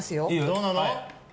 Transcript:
どうなの？